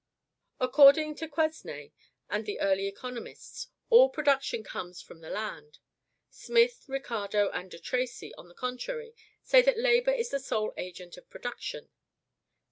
According to Quesnay and the early economists, all production comes from the land. Smith, Ricardo, and de Tracy, on the contrary, say that labor is the sole agent of production.